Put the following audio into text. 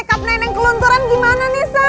ini kalau makeup nenek kelontoran gimana nih sa